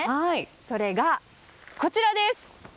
それがこちらです！